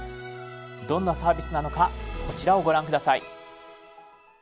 どんなサービスなのかこちらをご覧下さい。